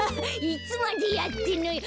いつまでやってんのよ。